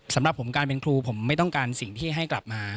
สำหรับผมการเป็นครูผมไม่ต้องการสิ่งที่ให้กลับมา